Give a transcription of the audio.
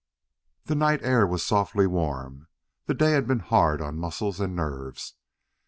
The night air was softly warm; the day had been hard on muscles and nerves.